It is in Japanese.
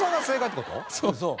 そうそう。